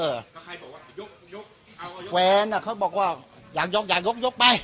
แล้วใครบอกว่าแฟนอ่ะเขาบอกว่าอยากยกอยากยกยกไป